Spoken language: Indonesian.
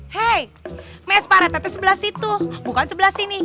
hei mes pak retta sebelah situ bukan sebelah sini